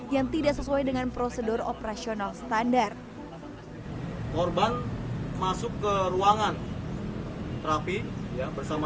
yang tidak sesuai dengan prosedur operasional standar korban masuk ke ruangan terapi ya bersama